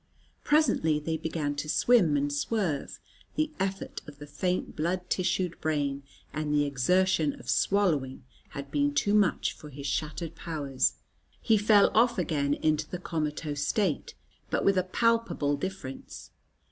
Presently they began to swim and swerve; the effort of the faint blood tissued brain and the exertion of swallowing had been too much for his shattered powers. He fell off again into the comatose state, but with a palpable difference.